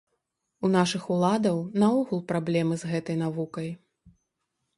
У нашых уладаў наогул праблемы з гэтай навукай.